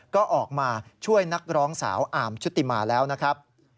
ก็ออกมาช่วยนักร้องสาวอาร์มชุติมาแล้วนะครับ